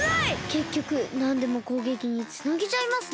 けっきょくなんでもこうげきにつなげちゃいますね。